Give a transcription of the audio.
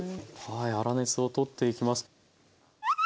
はい粗熱を取っていきます。